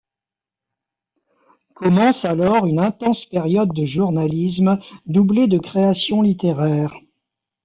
Commence alors une intense période de journalisme doublée de création littéraire.